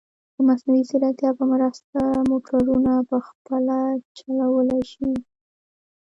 د مصنوعي ځیرکتیا په مرسته، موټرونه په خپله چلولی شي.